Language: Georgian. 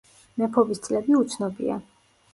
მეფობის წლები უცნობია.